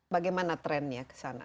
bagaimana trennya ke sana